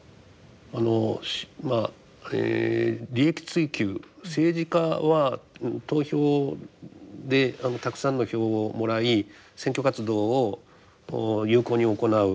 あのまあ利益追求政治家は投票でたくさんの票をもらい選挙活動を有効に行う。